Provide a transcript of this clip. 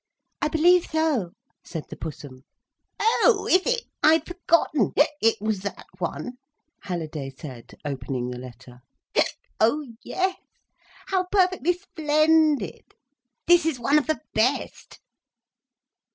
"I believe so," said the Pussum. "Oh is it? I'd forgotten—hic!—it was that one," Halliday said, opening the letter. "Hic! Oh yes. How perfectly splendid! This is one of the best.